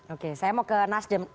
oke saya mau ke nasdem